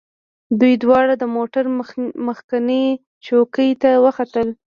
دوی دواړه د موټر مخکینۍ څوکۍ ته وختل